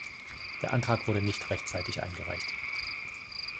Der Antrag wurde nicht rechtzeitig eingereicht.